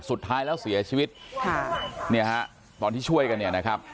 สุดท้ายแล้วเสียชีวิตตอนที่ช่วยกัน